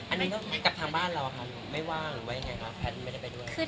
อันนี้ก็กับทางบ้านเราค่ะไม่ว่างไว้ไงค่ะแพลนไม่ได้ไปด้วย